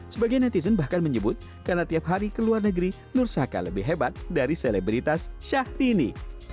sebagian netizen bahkan menyebut karena tiap hari ke luar negeri nur saka lebih hebat dari selebritas syahrini